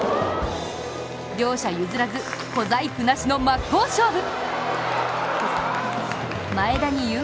両者譲らず、小細工なしの真っ向勝負。